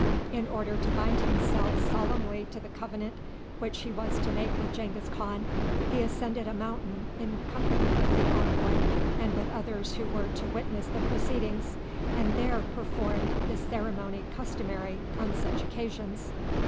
In order to bind himself solemnly to the covenant which he was to make with Genghis Khan, he ascended a mountain in company with the envoy and with others who were to witness the proceedings, and there performed the ceremony customary on such occasions.